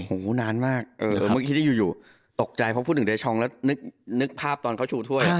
โอ้โหนานมากเมื่อกี้ที่อยู่ตกใจเพราะพูดถึงเดชองแล้วนึกภาพตอนเขาชูถ้วย